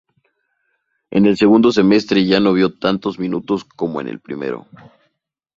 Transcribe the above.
En el segundo semestre ya no vio tantos minutos como en el primero.